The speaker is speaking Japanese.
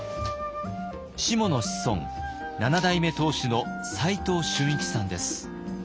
しもの子孫七代目当主の齊藤俊一さんです。